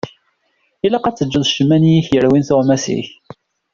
Ilaq ad teǧǧeḍ ccemma-nni i ak-yerwin tuɣmas-ik.